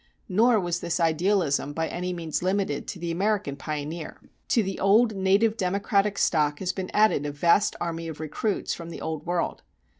Nor was this idealism by any means limited to the American pioneer. To the old native democratic stock has been added a vast army of recruits from the Old World.